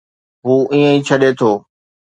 هو ائين ئي ڇڏي ٿو